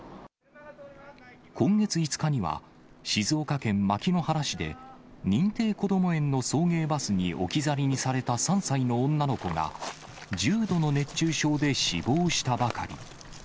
今月５日には、静岡県牧之原市で、認定こども園の送迎バスに置き去りにされた３歳の女の子が、重度の熱中症で死亡したばかり。